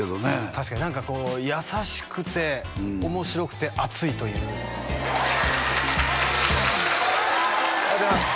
確かに何かこう優しくて面白くて熱いというありがとうございます